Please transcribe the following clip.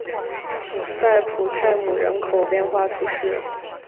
塞普泰姆人口变化图示